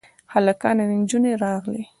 هلکان او نجونې راغلې.